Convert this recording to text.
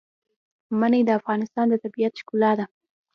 منی د افغانستان د طبیعت د ښکلا برخه ده.